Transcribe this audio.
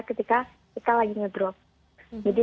ketika kita lagi ngedrop jadi